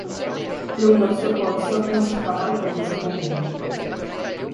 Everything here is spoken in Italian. Lungo il suo corso non si trova alcun insediamento.